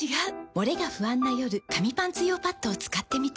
モレが不安な夜紙パンツ用パッドを使ってみた。